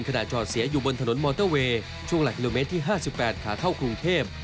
จอดเสียอยู่บนถนนมอเตอร์เวย์ช่วงหลักกิโลเมตรที่๕๘ขาเข้ากรุงเทพ